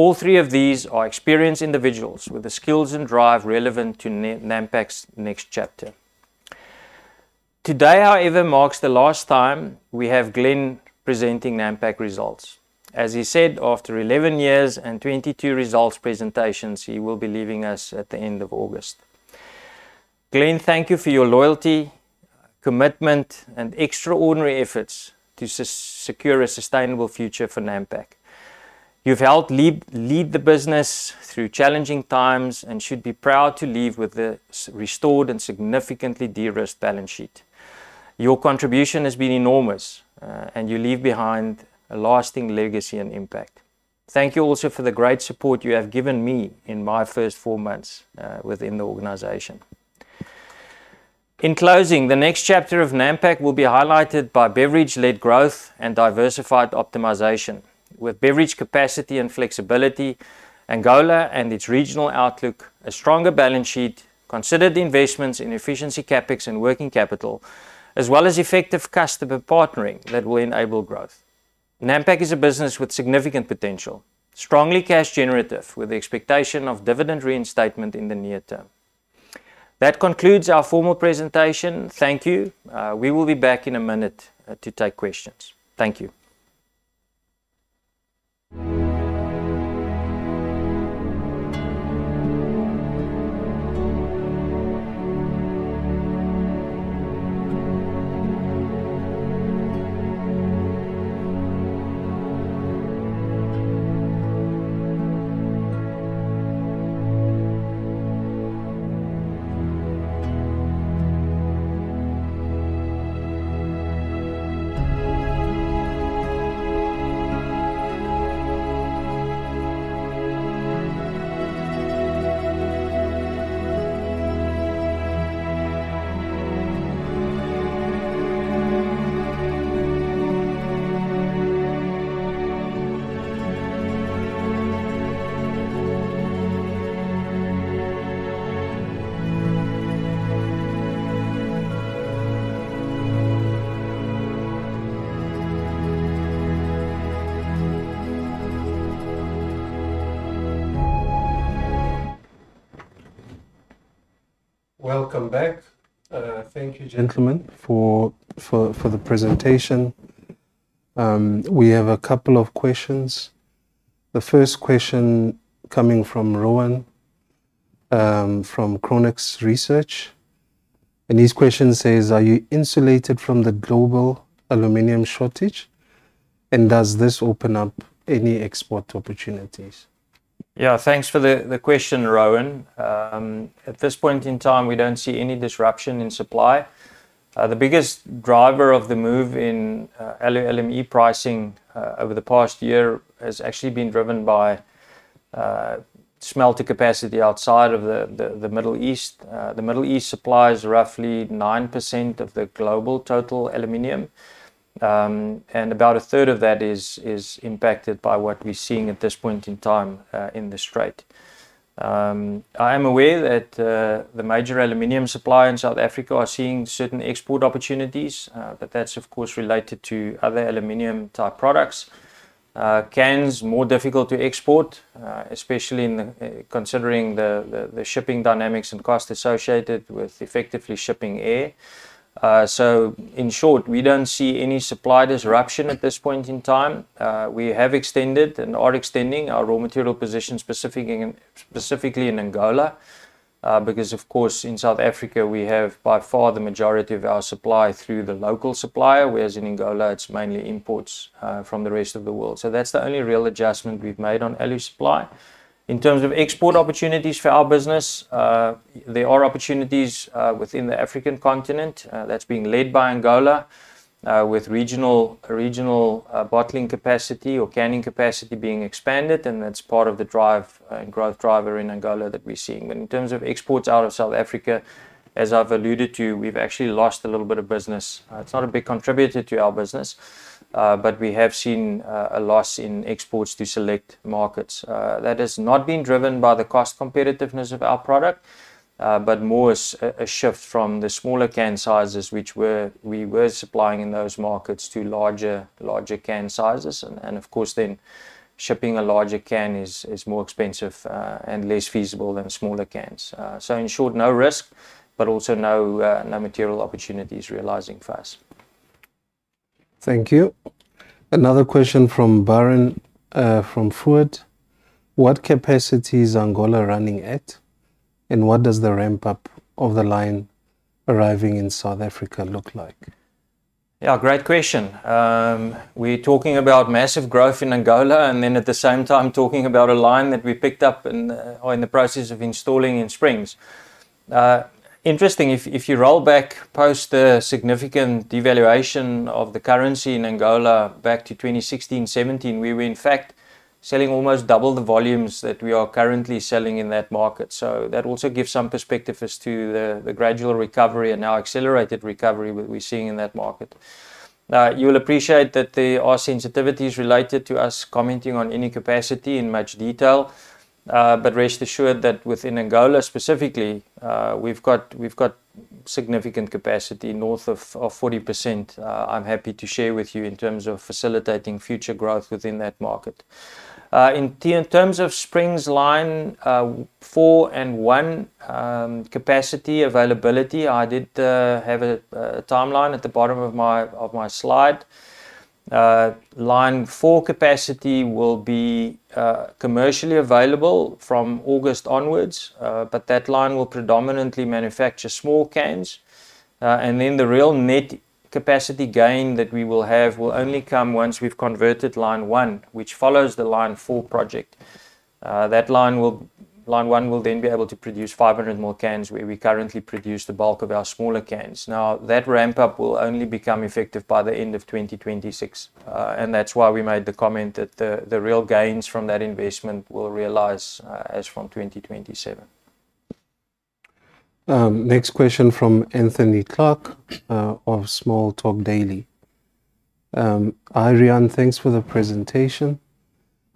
All three of these are experienced individuals with the skills and drive relevant to Nampak's next chapter. Today, however, marks the last time we have Glenn presenting Nampak results. As he said, after 11 years and 22 results presentations, he will be leaving us at the end of August. Glenn, thank you for your loyalty, commitment, and extraordinary efforts to secure a sustainable future for Nampak. You've helped lead the business through challenging times and should be proud to leave with the restored and significantly de-risked balance sheet. Your contribution has been enormous, and you leave behind a lasting legacy and impact. Thank you also for the great support you have given me in my first four months within the organization. In closing, the next chapter of Nampak will be highlighted by beverage-led growth and diversified optimization, with beverage capacity and flexibility, Angola and its regional outlook, a stronger balance sheet, considered investments in efficiency CapEx and working capital, as well as effective customer partnering that will enable growth. Nampak is a business with significant potential, strongly cash generative, with the expectation of dividend reinstatement in the near term. That concludes our formal presentation. Thank you. We will be back in a minute to take questions. Thank you. Welcome back. Thank you, gentlemen, for the presentation. We have a couple of questions. The first question coming from Rowan from Chronux Research. His question says, "Are you insulated from the global aluminum shortage, and does this open up any export opportunities? Yeah, thanks for the question, Rowan. At this point in time, we don't see any disruption in supply. The biggest driver of the move in Aluminium LME pricing over the past year has actually been driven by smelter capacity outside of the Middle East. The Middle East supplies roughly 9% of the global total aluminum, and about a third of that is impacted by what we're seeing at this point in time in the Strait. I am aware that the major aluminum suppliers in South Africa are seeing certain export opportunities, but that's of course related to other aluminum type products. Cans, more difficult to export, especially considering the shipping dynamics and cost associated with effectively shipping air. In short, we don't see any supply disruption at this point in time. We have extended and are extending our raw material position, specifically in Angola, because, of course, in South Africa, we have by far the majority of our supply through the local supplier, whereas in Angola, it's mainly imports from the rest of the world. That's the only real adjustment we've made on aluminum supply. In terms of export opportunities for our business, there are opportunities within the African continent, that's being led by Angola, with regional bottling capacity or canning capacity being expanded, and that's part of the growth driver in Angola that we're seeing. In terms of exports out of South Africa, as I've alluded to, we've actually lost a little bit of business. It's not a big contributor to our business, but we have seen a loss in exports to select markets. That has not been driven by the cost competitiveness of our product, but more a shift from the smaller can sizes, which we were supplying in those markets to larger can sizes. Of course then, shipping a larger can is more expensive and less feasible than smaller cans. In short, no risk, but also no material opportunities realizing for us. Thank you. Another question from Byron, from Foord. What capacity is Angola running at, and what does the ramp-up of the line arriving in South Africa look like? Great question. We're talking about massive growth in Angola and then at the same time talking about a line that we picked up and are in the process of installing in Springs. Interesting, if you roll back post the significant devaluation of the currency in Angola back to 2016/2017, we were in fact selling almost double the volumes that we are currently selling in that market. That also gives some perspective as to the gradual recovery and now accelerated recovery that we're seeing in that market. You'll appreciate that there are sensitivities related to us commenting on any capacity in much detail. Rest assured that within Angola specifically, we've got significant capacity north of 40%. I'm happy to share with you in terms of facilitating future growth within that market. In terms of Springs Line 4 and Line 1 capacity availability, I did have a timeline at the bottom of my slide. Line 4 capacity will be commercially available from August onwards. That line will predominantly manufacture small cans. The real net capacity gain that we will have will only come once we've converted Line 1, which follows the Line 4 project. Line one will then be able to produce 500ml cans, where we currently produce the bulk of our smaller cans. That ramp-up will only become effective by the end of 2026. That's why we made the comment that the real gains from that investment will realize as from 2027. Next question from Anthony Clark of Small Talk Daily. Riaan, thanks for the presentation.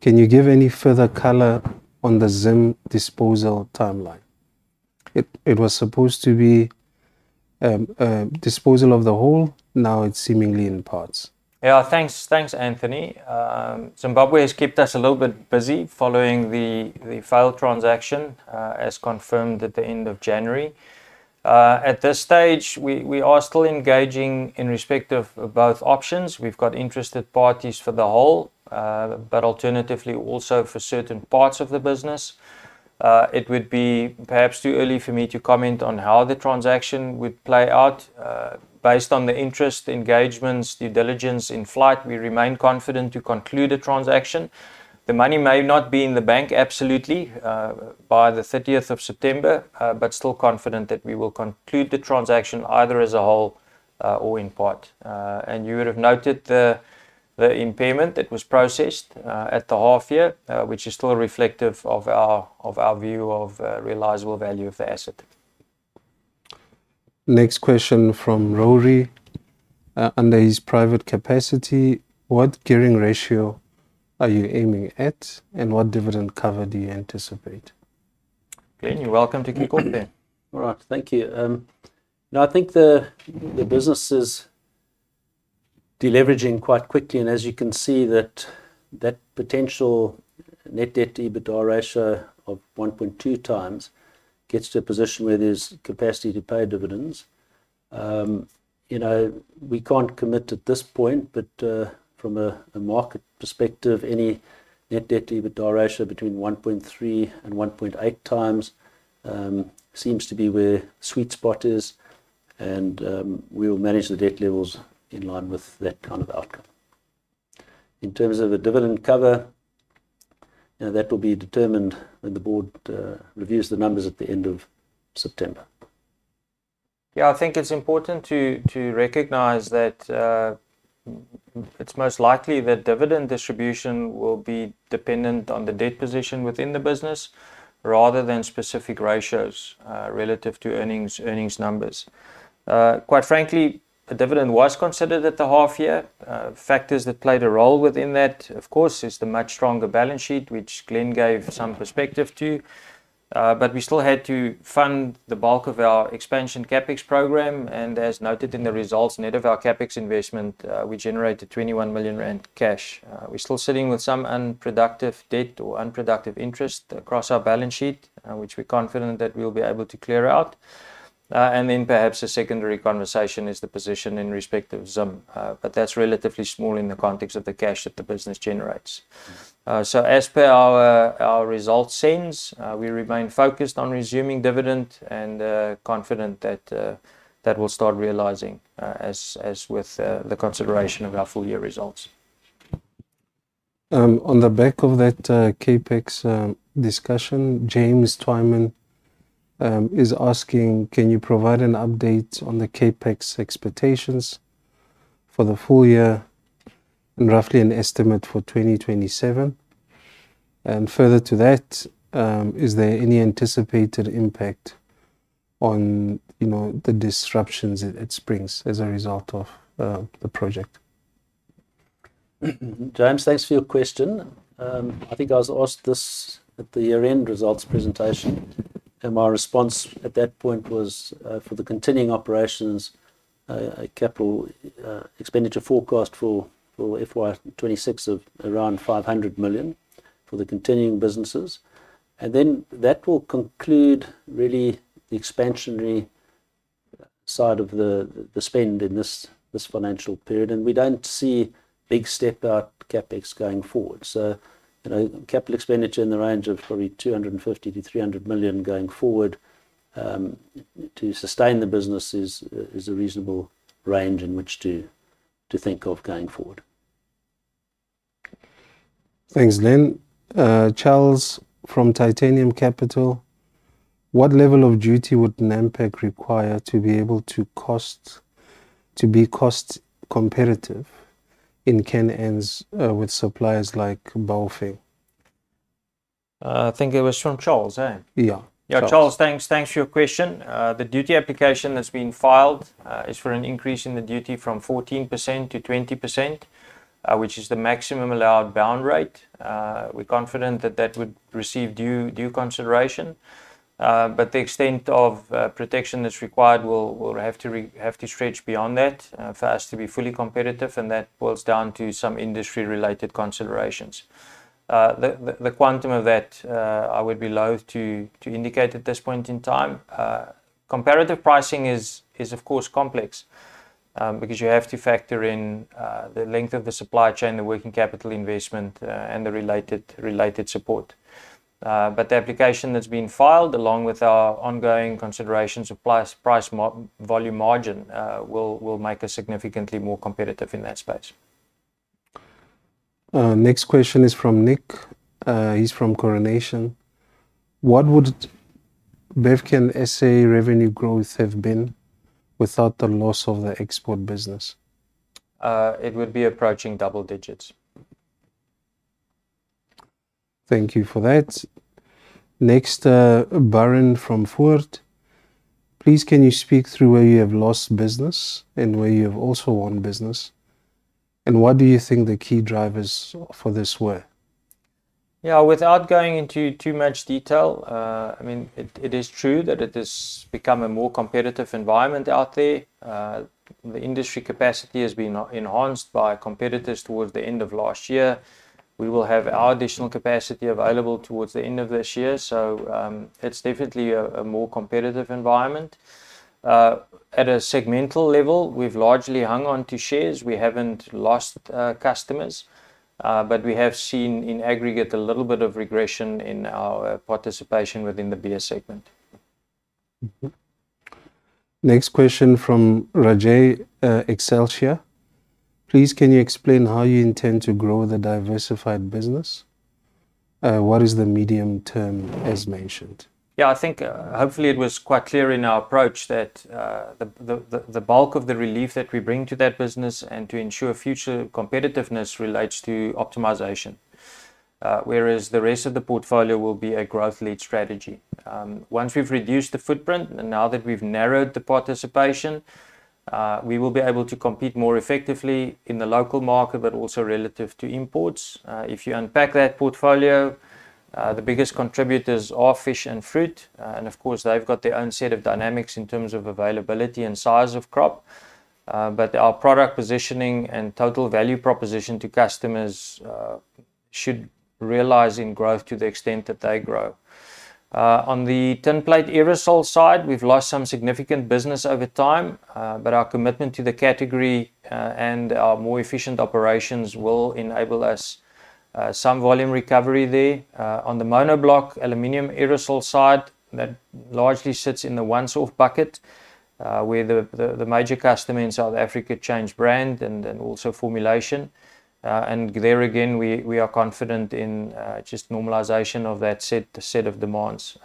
Can you give any further color on the Zim disposal timeline? It was supposed to be a disposal of the whole, now it's seemingly in parts. Yeah, thanks, Anthony. Zimbabwe has kept us a little bit busy following the failed transaction, as confirmed at the end of January. At this stage, we are still engaging in respect of both options. We've got interested parties for the whole, but alternatively also for certain parts of the business. It would be perhaps too early for me to comment on how the transaction would play out. Based on the interest, engagements, due diligence in flight, we remain confident to conclude a transaction. The money may not be in the bank absolutely, by the 30th of September, but still confident that we will conclude the transaction either as a whole or in part. You would have noted the impairment that was processed at the half year, which is still reflective of our view of realizable value of the asset. Next question from Rory, under his private capacity. What gearing ratio are you aiming at, and what dividend cover do you anticipate? Glenn, you're welcome to kick off there. All right. Thank you. I think the business is de-leveraging quite quickly, and as you can see that potential net debt to EBITDA ratio of 1.2x gets to a position where there's capacity to pay dividends. We can't commit at this point, but from a market perspective, any net debt to EBITDA ratio between 1.3x and 1.8x seems to be where sweet spot is, and we'll manage the debt levels in line with that kind of outcome. In terms of a dividend cover, that will be determined when the board reviews the numbers at the end of September. I think it's important to recognize that it's most likely that dividend distribution will be dependent on the debt position within the business rather than specific ratios relative to earnings numbers. Quite frankly, the dividend was considered at the half year. Factors that played a role within that, of course, is the much stronger balance sheet, which Glenn gave some perspective to. We still had to fund the bulk of our expansion CapEx program, and as noted in the results, net of our CapEx investment, we generated 21 million rand cash. We're still sitting with some unproductive debt or unproductive interest across our balance sheet, which we're confident that we'll be able to clear out. Perhaps a secondary conversation is the position in respect of Zim. That's relatively small in the context of the cash that the business generates. As per our results since, we remain focused on resuming dividend and are confident that will start realizing as with the consideration of our full year results. On the back of that CapEx discussion, James Twyman is asking, can you provide an update on the CapEx expectations for the full year and roughly an estimate for 2027? Further to that, is there any anticipated impact on the disruptions it springs as a result of the project? James, thanks for your question. I think I was asked this at the year-end results presentation, my response at that point was, for the continuing operations, a capital expenditure forecast for FY 2026 of around 500 million for the continuing businesses. Then that will conclude really the expansionary side of the spend in this financial period. We don't see a big step up CapEx going forward. Capital expenditure in the range of probably 250 million-300 million going forward, to sustain the business is a reasonable range in which to think of going forward. Thanks, Glenn. Charles from Titanium Capital. What level of duty would Nampak require to be able to be cost competitive in can ends with suppliers like Baofeng? I think it was from Charles, eh? Yeah. Charles. Yeah, Charles, thanks for your question. The duty application that's been filed is for an increase in the duty from 14%-20%, which is the maximum allowed bound rate. We're confident that that would receive due consideration. The extent of protection that's required will have to stretch beyond that for us to be fully competitive, and that boils down to some industry-related considerations. The quantum of that, I would be loath to indicate at this point in time. Comparative pricing is of course complex, because you have to factor in the length of the supply chain, the working capital investment, and the related support. The application that's been filed, along with our ongoing consideration, price volume margin, will make us significantly more competitive in that space. Next question is from Nic. He's from Coronation. What would Bevcan SA revenue growth have been without the loss of the export business? It would be approaching double digits. Thank you for that. Next, Byron from Foord. Please, can you speak through where you have lost business and where you have also won business, and what do you think the key drivers for this were? Yeah. Without going into too much detail, it is true that it has become a more competitive environment out there. The industry capacity has been enhanced by competitors towards the end of last year. We will have our additional capacity available towards the end of this year. It's definitely a more competitive environment. At a segmental level, we've largely hung on to shares. We haven't lost customers, but we have seen in aggregate a little bit of regression in our participation within the beer segment. Next question from Rajay, Excelsia. Please, can you explain how you intend to grow the Diversified business? What is the medium term, as mentioned? Yeah, I think hopefully it was quite clear in our approach that the bulk of the relief that we bring to that business and to ensure future competitiveness relates to optimization. The rest of the portfolio will be a growth lead strategy. Once we've reduced the footprint and now that we've narrowed the participation, we will be able to compete more effectively in the local market, but also relative to imports. If you unpack that portfolio, the biggest contributors are fish and fruit. Of course, they've got their own set of dynamics in terms of availability and size of crop. Our product positioning and total value proposition to customers should realize in growth to the extent that they grow. On the tinplate aerosol side, we've lost some significant business over time. Our commitment to the category, and our more efficient operations will enable us some volume recovery there. On the monobloc aluminium aerosol side, that largely sits in the one sort of bucket, where the major customer in South Africa changed brand and also formulation. There again, we are confident in just normalization of that set of demands.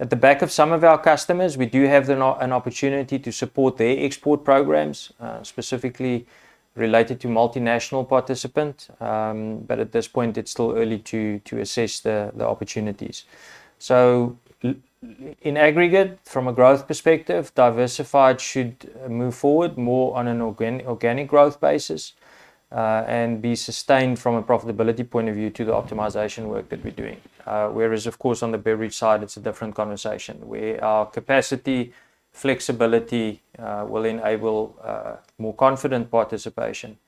At the back of some of our customers, we do have an opportunity to support their export programs, specifically related to multinational participant. At this point, it's still early to assess the opportunities. In aggregate, from a growth perspective, Diversified should move forward more on an organic growth basis, and be sustained from a profitability point of view to the optimization work that we're doing. Of course, on the Beverage side, it's a different conversation, where our capacity, flexibility will enable more confident participation.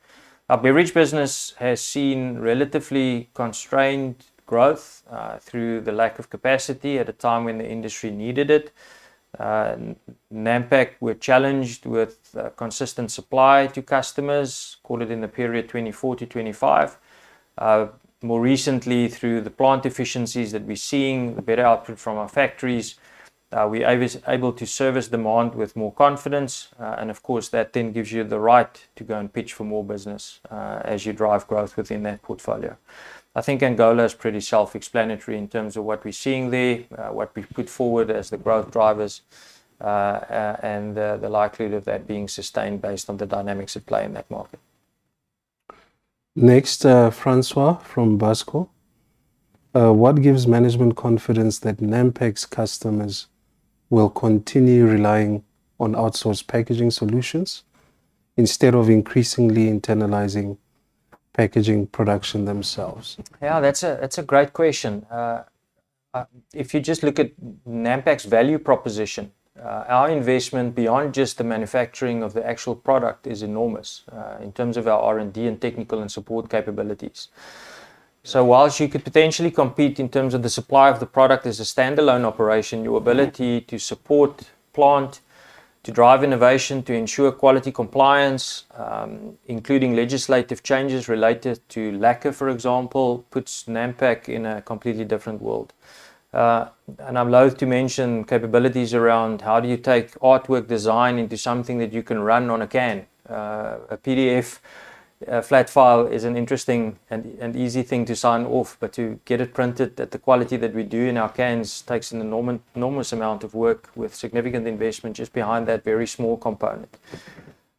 Our beverage business has seen relatively constrained growth through the lack of capacity at a time when the industry needed it. Nampak were challenged with consistent supply to customers, call it in the period 2024-2025. Through the plant efficiencies that we're seeing, the better output from our factories, we are able to service demand with more confidence. Of course, that then gives you the right to go and pitch for more business as you drive growth within that portfolio. I think Angola is pretty self-explanatory in terms of what we're seeing there, what we put forward as the growth drivers, and the likelihood of that being sustained based on the dynamics at play in that market. Next, Francois from Buscor. "What gives management confidence that Nampak's customers will continue relying on outsourced packaging solutions instead of increasingly internalizing packaging production themselves? Yeah, that's a great question. If you just look at Nampak's value proposition, our investment beyond just the manufacturing of the actual product is enormous in terms of our R&D and technical and support capabilities. While you could potentially compete in terms of the supply of the product as a standalone operation, your ability to support plant, to drive innovation, to ensure quality compliance, including legislative changes related to lacquer, for example, puts Nampak in a completely different world. I'm loathe to mention capabilities around how do you take artwork design into something that you can run on a can. A PDF flat file is an interesting and easy thing to sign off, but to get it printed at the quality that we do in our cans takes an enormous amount of work with significant investment just behind that very small component.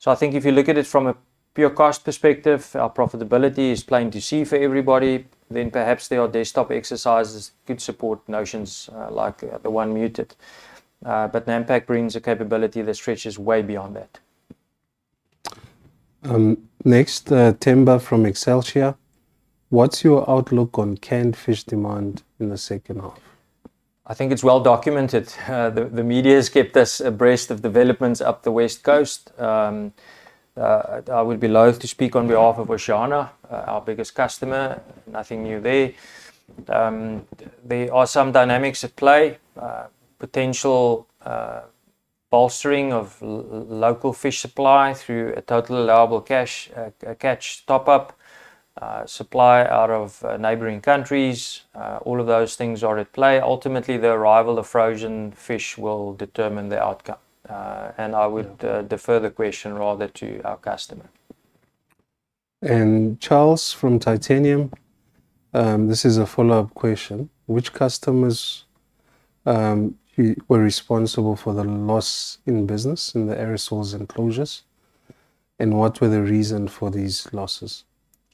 I think if you look at it from a pure cost perspective, our profitability is plain to see for everybody, then perhaps there are desktop exercises could support notions like the one muted. Nampak brings a capability that stretches way beyond that. Next, Themba from Excelsia. What's your outlook on canned fish demand in the second half? I think it's well documented. The media has kept us abreast of developments up the West Coast. I would be loathe to speak on behalf of Oceana, our biggest customer. Nothing new there. There are some dynamics at play. Potential bolstering of local fish supply through a total allowable catch top-up. Supply out of neighboring countries. All of those things are at play. Ultimately, the arrival of frozen fish will determine the outcome, and I would defer the question rather to our customer. Charles from Titanium, this is a follow-up question. Which customers were responsible for the loss in business in the aerosols and closures, and what were the reason for these losses?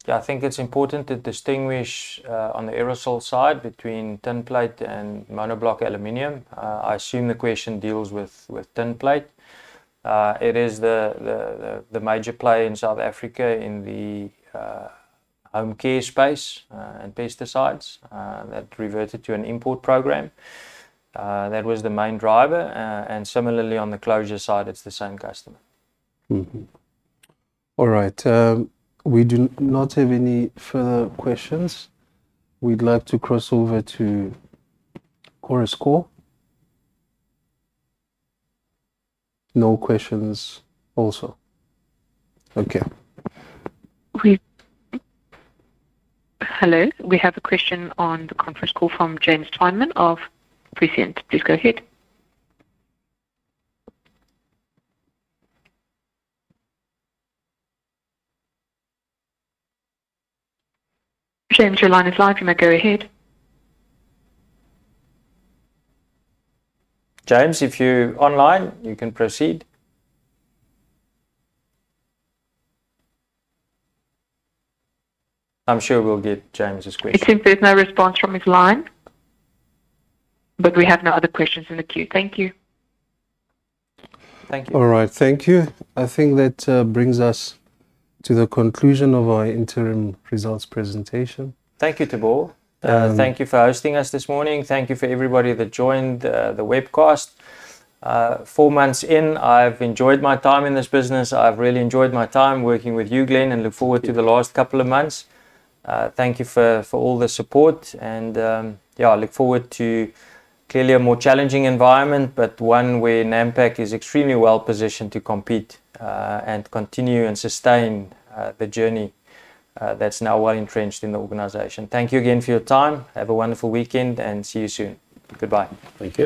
I think it's important to distinguish, on the aerosol side, between tinplate and monobloc aluminium. I assume the question deals with tinplate. It is the major player in South Africa in the home care space, and pesticides, that reverted to an import program. That was the main driver. Similarly on the closure side, it's the same customer. All right. We do not have any further questions. We'd like to cross over to chorus call. No questions also. Okay. Hello. We have a question on the conference call from James Twyman of Prescient. Please go ahead. James, your line is live. You may go ahead. James, if you're online, you can proceed. I'm sure we'll get James' question. It seems there's no response from his line. We have no other questions in the queue. Thank you. Thank you. All right. Thank you. I think that brings us to the conclusion of our interim results presentation. Thank you, Teboho. Thank you for hosting us this morning. Thank you for everybody that joined the webcast. Four months in, I've enjoyed my time in this business. I've really enjoyed my time working with you, Glenn, and look forward to the last couple of months. Thank you for all the support and, yeah, I look forward to clearly a more challenging environment, but one where Nampak is extremely well positioned to compete, and continue and sustain the journey that's now well entrenched in the organization. Thank you again for your time. Have a wonderful weekend and see you soon. Goodbye. Thank you.